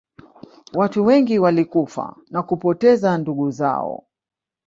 watu wengi walikufa na kupoteza ndugu zao